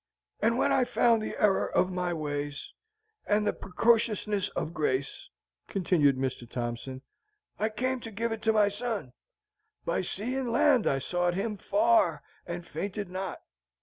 "And when I found the error of my ways, and the preciousness of grace," continued Mr. Thompson, "I came to give it to my son. By sea and land I sought him far, and fainted not.